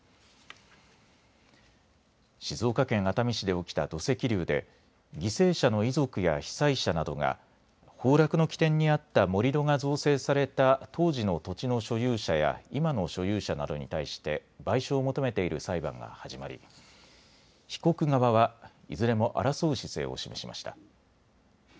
静岡県熱海市で起きた土石流で犠牲者の遺族や被災者などが崩落の起点にあった盛り土が造成された当時の土地の所有者や今の所有者などに対して賠償を求めている裁判が始まり被告側はいずれも争う姿勢を示しました。